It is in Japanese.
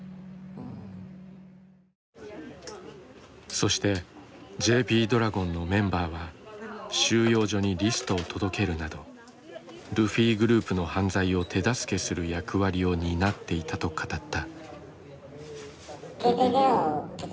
そしてＪＰドラゴンのメンバーは収容所にリストを届けるなどルフィグループの犯罪を手助けする役割を担っていたと語った。